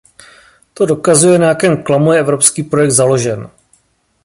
To dokazuje, na jakém klamu je evropský projekt založen.